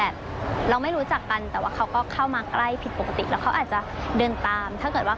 ฟังเสียงของนักศึกษาหญิงเล่าเรื่องนี้ให้ฟังหน่อยครับ